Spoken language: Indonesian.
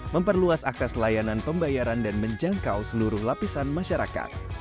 memperluas akses layanan pembayaran dan menjangkau seluruh lapisan masyarakat